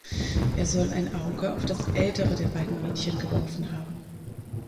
Er soll ein Auge auf das ältere der beiden Mädchen geworfen haben.